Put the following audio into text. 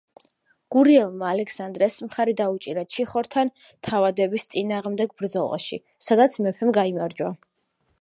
გურიელმა ალექსანდრეს მხარი დაუჭირა ჩიხორთან თავადების წინააღმდეგ ბრძოლაში, სადაც მეფემ გაიმარჯვა.